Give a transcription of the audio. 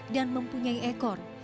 dan mempunyai ekor